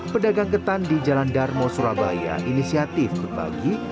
pedagang ketan di jalan darmo surabaya inisiatif berbagi